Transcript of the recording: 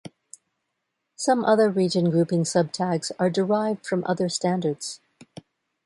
Some other region grouping subtags are derived from other standards.